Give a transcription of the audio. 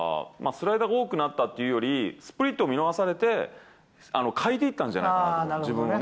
スライダーが多くなったっていうより、スプリットを見逃されて、変えていったんじゃないかなって、自分の。